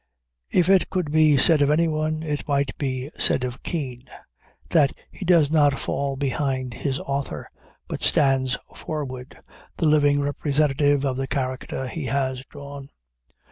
If it could be said of anyone, it might be said of Kean, that he does not fall behind his author, but stands forward, the living representative of the character he has drawn.